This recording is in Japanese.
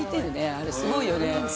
あれすごいよね